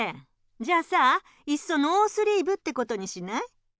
じゃあさいっそノースリーブってことにしない？